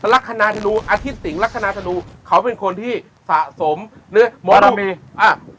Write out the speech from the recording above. ลักษณะธนูอาทิตย์สิงห์ลักษณะธนูเขาเป็นคนที่สะสมหรือหมอรมีอ่ะ